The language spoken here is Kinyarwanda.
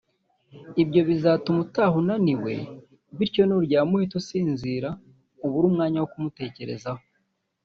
ibyo bizatuma utaha unaniwe bityo nuryama uhite usinzira ubure umwanya wo kumutekerezaho